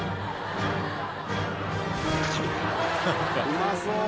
うまそう。